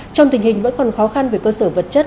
trong tình hình vẫn còn khó khăn về cơ sở vật chất